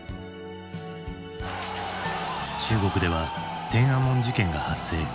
中国では天安門事件が発生。